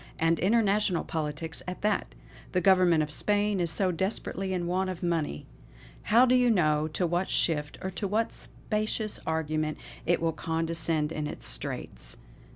and international politics at that. The Government of Spain is desperately in want of money. How do you know to what shift, or to what specious argument it will condescend in its straits.